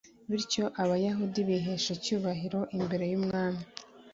bityo abayahudi bihesha icyubahiro imbere y'umwami